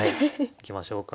いきましょうか。